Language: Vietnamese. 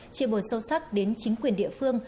chia bồn sâu sắc đến chính quyền địa phương